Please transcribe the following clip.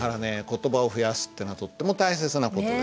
言葉を増やすってのはとっても大切な事です。